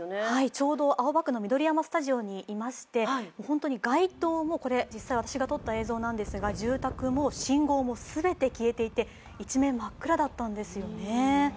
ちょうど青葉区の緑山スタジオにいまして街灯も、これ実際に私が撮った映像なんですが、住宅も信号も全て消えていて、一面、真っ暗だったんですよね。